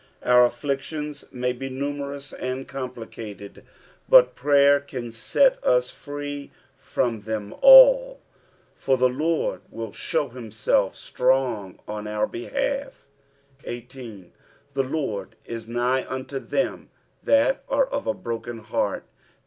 Our afflictions may be niuneTous and complicated, but prayer can Set us free from them all, for the Lord will show himself stronz on our behalf. 18. " The Lurd U nigh unto them that are of a orokeit heart."